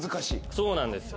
そうなんですよ。